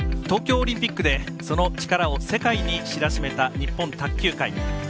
東京オリンピックでその力を世界に知らしめた日本卓球界。